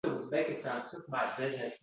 Onajonim oldida.